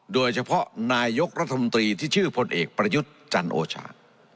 โดยเฉพาะนายกรัฐมนตรีที่ชื่อพลเอกประยุทธ์จันโอชา